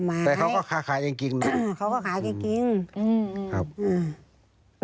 ขายจริงจริงน้องเขาก็ขายจริงจริงอืมอืมครับอืมอืม